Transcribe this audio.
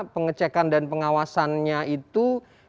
pengecekan dan pengawasannya itu